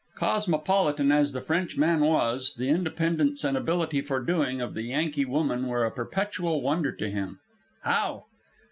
Cosmopolitan as the Frenchman was, the independence and ability for doing of the Yankee women were a perpetual wonder to him. "How?"